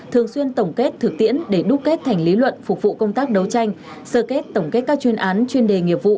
thường xuyên tổng kết thực tiễn để đúc kết thành lý luận phục vụ công tác đấu tranh sơ kết tổng kết các chuyên án chuyên đề nghiệp vụ